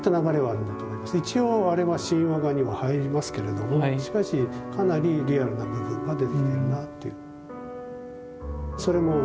一応あれは神話画には入りますけれども少しかなりリアルな部分が出てきているなっていう。